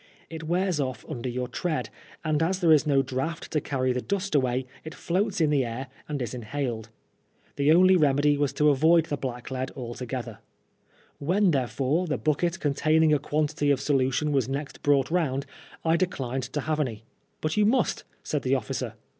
It wears ofE under your tread, and as there is no draught to carry the dust away, it floats in the air and is inhaled. The only remedy was to avoid the blacklead altogetiier. When, therefore, the bucket containing a quantity in solution was next brought round, I declined to have any. " But you must," said the officer.